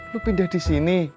lu pindah disini